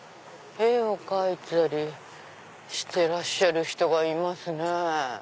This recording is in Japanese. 絵を描いたりしてらっしゃる人がいますね。